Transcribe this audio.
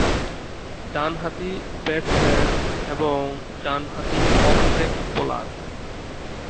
ডানহাতি ব্যাটসম্যান এবং ডানহাতি অফ ব্রেক বোলার।